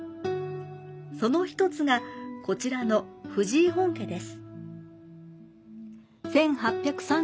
その１つが、こちらの藤居本家です。